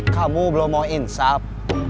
kamu belum mau insap